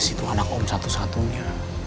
itu anak om satu satunya